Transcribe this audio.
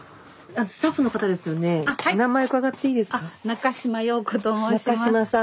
中島洋子と申します。